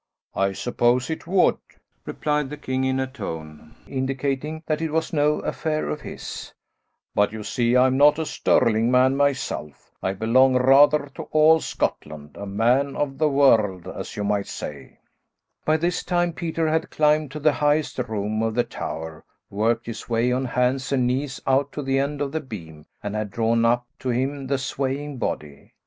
"I suppose it would," replied the king, in a tone indicating that it was no affair of his, "but you see I'm not a Stirling man myself. I belong rather to all Scotland; a man of the world, as you might say." By this time Peter had climbed to the highest room of the tower, worked his way on hands and knees out to the end of the beam, and had drawn up to him the swaying body.